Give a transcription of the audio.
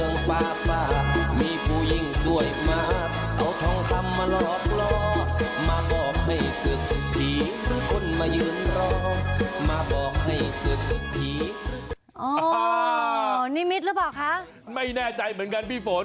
นี่นิมิตรหรือเปล่าคะไม่แน่ใจเหมือนกันพี่ฝน